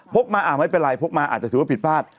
พกมาอาจจะถือว่าผิดพลาด